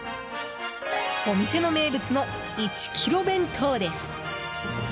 お店の名物の１キロ弁当です。